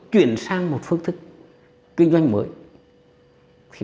chuyển sang một phương thức kinh doanh mới